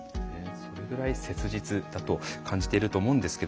それぐらい切実だと感じていると思うんですけれども。